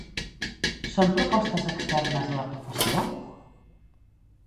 Són propostes externes a la professió?